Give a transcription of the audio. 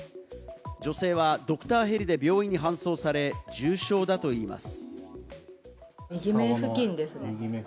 女性はドクターヘリで病院に搬送され、重傷だといいます。